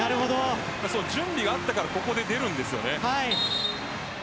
準備があったからこそここで出るんです。